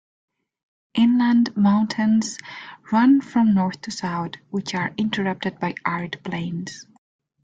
Inland, mountains run from north to south, which are interrupted by arid plains.